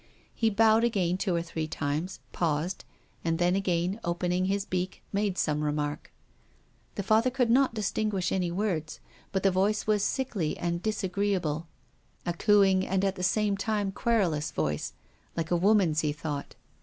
He bowed again two or three times, paused, and then, again opening his beak, made some remark. The Father could not distinguish any words, but the voice was sickly and disagreeable, a cooing and, at the same time, querulous voice, like a woman's, he thought.